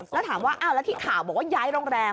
แล้วถามว่าอ้าวแล้วที่ข่าวบอกว่าย้ายโรงแรม